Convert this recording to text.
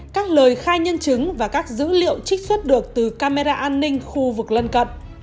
các lời khai nhân chứng và các dữ liệu trích xuất được từ camera an ninh khu vực lân cận